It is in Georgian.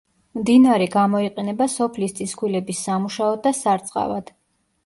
მდინარე გამოიყენება სოფლის წისქვილების სამუშაოდ და სარწყავად.